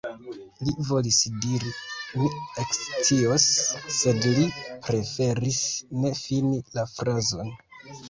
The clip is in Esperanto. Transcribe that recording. Li volis diri: „mi ekscios“, sed li preferis ne fini la frazon.